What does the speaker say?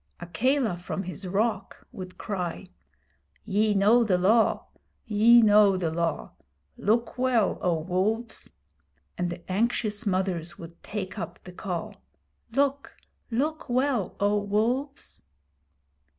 Akela from his rock would cry: 'Ye know the Law ye know the Law. Look well, O Wolves!' and the anxious mothers would take up the call: 'Look look well, O Wolves!'